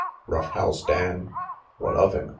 Rough House Dan?" "What of him?"